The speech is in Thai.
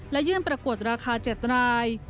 และยื่นประกวดราคา๗ราย